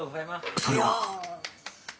そそれは